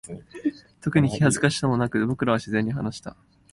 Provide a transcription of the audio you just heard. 特に気恥ずかしさもなく、僕らは自然に話した。